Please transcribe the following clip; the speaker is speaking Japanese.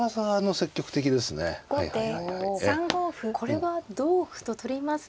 これは同歩と取りますと。